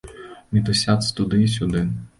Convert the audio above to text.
Мітусяцца туды і сюды.